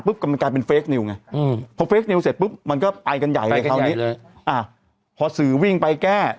เอ่อเพราะสื่อวิ่งไปแก้